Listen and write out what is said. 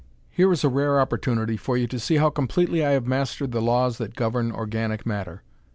"Here is a rare opportunity for you to see how completely I have mastered the laws that govern organic matter.